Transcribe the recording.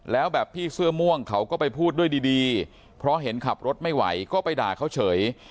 แล้วแบบพี่เสื้อม่วงเขาก็ไปพูดด้วยดีเพราะเห็นขับรถไม่ไหวก็ไปด่าเขาเฉย